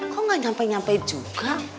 kok gak nyampe nyampe juga